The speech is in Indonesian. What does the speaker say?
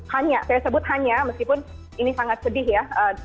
hanya saya sebut hanya meskipun ini sangat sedih ya